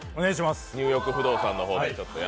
「ニューヨーク不動産」の方で。